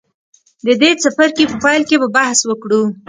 د دې څپرکي په پیل کې به بحث وکړو.